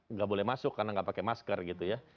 nggak boleh masuk karena nggak pakai masker gitu ya